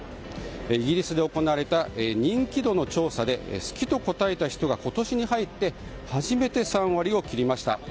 イギリスで行われた人気度の調査で好きと答えた人が今年に入って初めて３割を切りました。